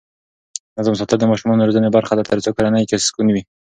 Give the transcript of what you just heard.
نظم ساتل د ماشومانو روزنې برخه ده ترڅو کورنۍ کې سکون وي.